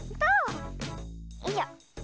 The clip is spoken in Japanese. よいしょ。